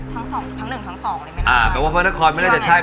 ทั้งสองทั้งหนึ่งทั้งสองอะไรไม่ได้อ่าแต่ว่าพระนครไม่น่าจะใช่